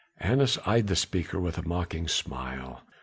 Annas eyed the speaker with a mocking smile.